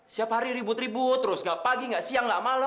siap hari ribut ribut terus gak pagi gak siang gak malem